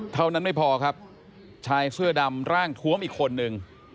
เท่านั้นไม่พอครับชายเสื้อดำร่างทวมอีกคนนึง